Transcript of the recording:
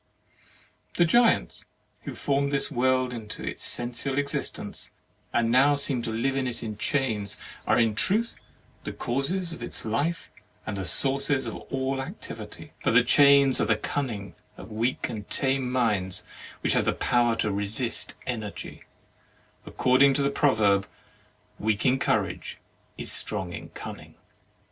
The Giants who formed this world into its sensual existence and now seem to live in it in chains are in truth the causes of its life and the sources of all activity, but the chains are the cunning of weak and tame minds, which have power to resist energy, according to the proverb, "The weak in courage is strong in cunning."